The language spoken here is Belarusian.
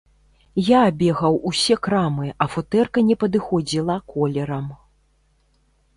Я абегаў усе крамы, а футэрка не падыходзіла колерам.